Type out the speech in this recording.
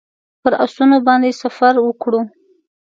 پر آسونو باندې سفر وکړو.